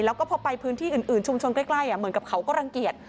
แล้วก็พอไปพื้นที่อื่นชุมชนใกล้เหมือนกับเขาก็รังเกียจ